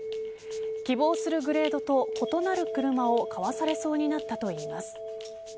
希望するグレードと異なる車を買わされそうになったといいます。